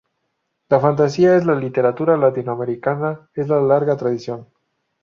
La fantasía en la literatura latinoamericana es de larga tradición.